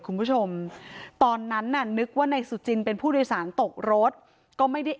คุณผู้ชมตอนนั้นน่ะนึกว่านายสุจินเป็นผู้โดยสารตกรถก็ไม่ได้